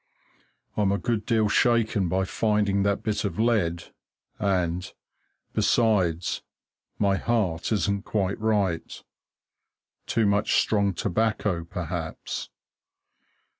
I'm a good deal shaken by finding that bit of lead, and, besides, my heart isn't quite right too much strong tobacco, perhaps.